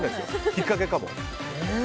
ひっかけかも。